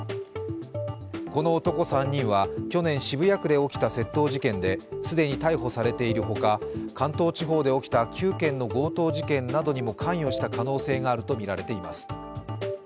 この男３人は去年、渋谷区で起きた窃盗事件で既に逮捕されている他、関東地方で起きた９件の強盗事件などにも関与した可能性があるとみられています。